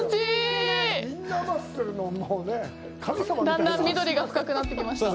だんだん緑が深くなってきました。